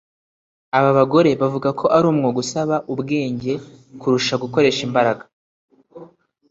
Aba bagore bavuga ko ari umwuga usaba ubwenge kurusha gukoresha imbaraga